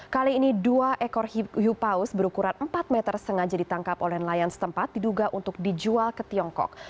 kali ini dua ekor hiu paus berukuran empat meter sengaja ditangkap oleh nelayan setempat diduga untuk dijual ke tiongkok